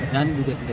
dan juga kita